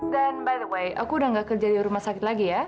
dan by the way aku udah gak kerja di rumah sakit lagi ya